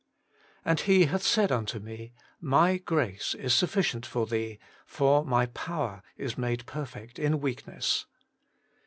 And He hath said unto me, My grace is suffi cient for thee: for My power is made perfect in weakness.